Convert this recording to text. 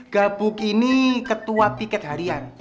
gabuk ini ketua tiket harian